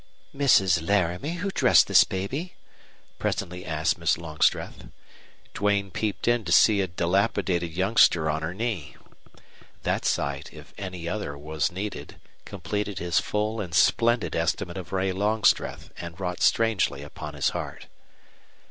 "Mrs. Laramie, who dressed this baby?" presently asked Miss Longstreth. Duane peeped in to see a dilapidated youngster on her knee. That sight, if any other was needed, completed his full and splendid estimate of Ray Longstreth and wrought strangely upon his heart.